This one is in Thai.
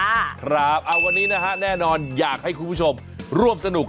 ครับเอาวันนี้นะฮะแน่นอนอยากให้คุณผู้ชมร่วมสนุก